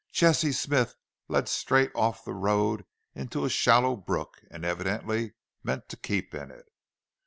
Jesse Smith led straight off the road into a shallow brook and evidently meant to keep in it.